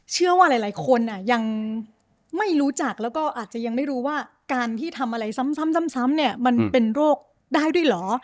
เชื่อว่าหลายคนยังไม่รู้จักแล้วก็อาจจะยังไม่รู้ว่าการที่ทำอะไรซ้ำเนี่ยมันเป็นโรคได้ด้วยเหรอ